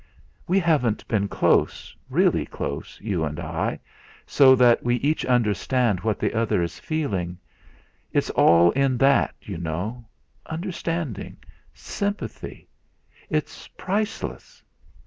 We haven't been close really close, you and I, so that we each understand what the other is feeling. It's all in that, you know; understanding sympathy it's priceless.